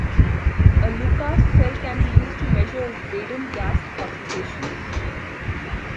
A Lucas cell can be used to measure radon gas concentrations.